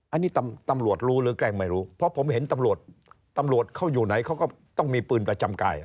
อันนี้ตำรวจรู้หรือแกล้งไม่รู้เพราะผมเห็นตำรวจตำรวจเขาอยู่ไหนเขาก็ต้องมีปืนประจำกาย